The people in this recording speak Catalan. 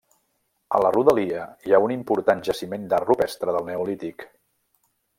A la rodalia hi ha un important jaciment d'art rupestre del Neolític.